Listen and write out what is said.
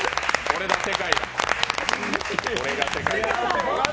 これが世界です。